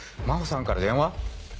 真帆さんから電話⁉